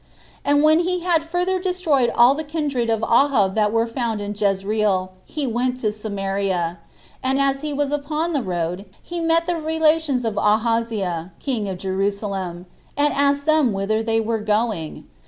And when he had further destroyed all the kindred of Ahab that were found in Jezreel, he went to Samaria; and as he was upon the road, he met the relations of Ahaziah king of Jerusalem, and asked them whither they were going?